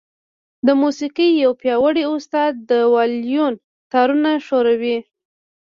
د موسيقۍ يو پياوړی استاد د وايلون تارونه ښوروي.